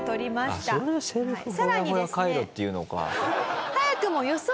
それでセルフほやほやカイロっていうのか。